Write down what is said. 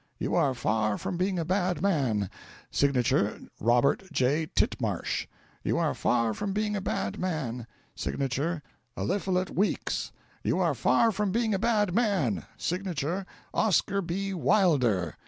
"'You are far from being a bad man ' Signature, 'Robert J. Titmarsh.'" '"You are far from being a bad man ' Signature, 'Eliphalet Weeks.'" "'You are far from being a bad man ' Signature, 'Oscar B. Wilder.'"